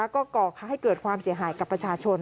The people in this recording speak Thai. ก็ก่อให้เกิดความเสียหายกับประชาชน